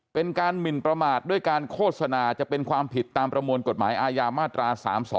เป็นการหมินประมาทด้วยการโฆษณาจะเป็นความผิดตามประมวลกฎหมายอาญามาตรา๓๒